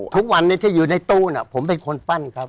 ทุกวันนี้ที่อยู่ในตู้น่ะผมเป็นคนปั้นครับ